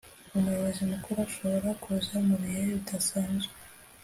umuyobozi mukuru ashobora kuza mu bihe bidasanzwe